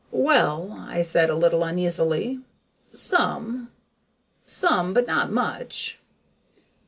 "Well," I said, a little uneasily, "some. Some, but not much."